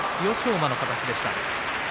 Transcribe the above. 馬の形でした。